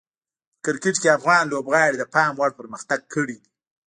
په کرکټ کې افغان لوبغاړي د پام وړ پرمختګ کړی دی.